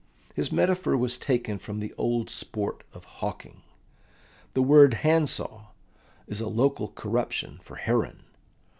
His metaphor was taken from the old sport of hawking; the word "handsaw" is a local corruption for "heron."